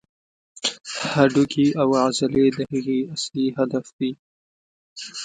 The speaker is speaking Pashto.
هډوکي او عضلې د هغې اصلي هدف دي.